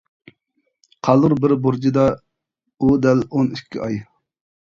قالۇر بىر بۇرجدا ئۇ دەل ئون ئىككى ئاي.